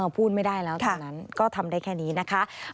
พูดไม่ได้แล้วตอนนั้นก็ทำได้แค่นี้นะคะ